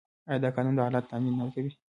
آیا دا قانون د عدالت تامین نه کوي؟